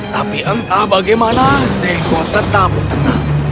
tapi entah bagaimana ziko tetap tenang